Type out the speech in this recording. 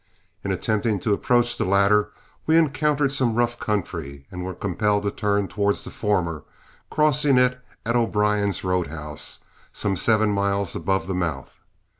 In attempting to approach the latter we encountered some rough country and were compelled to turn towards the former, crossing it, at O'Brien's roadhouse, some seven miles above the mouth.